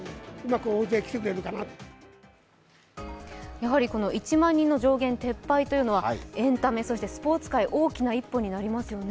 やはり１万人の上限撤廃というのはエンタメ、スポーツ界、大きな一歩になりますよね。